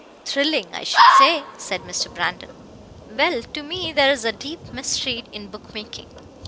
"Thrilling, I should say," said Mr. Brandon. "Well, to me there is a deep mystery in bookmaking.